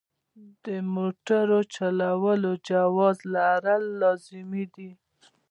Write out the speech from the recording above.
د موټر چلولو جواز لرل لازمي دي.